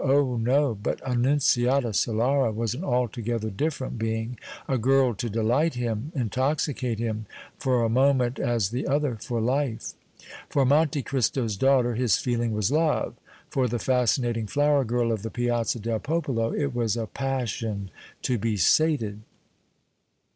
Oh! no! But Annunziata Solara was an altogether different being, a girl to delight him, intoxicate him, for a moment as the other for life. For Monte Cristo's daughter his feeling was love, for the fascinating flower girl of the Piazza del Popolo it was a passion to be sated.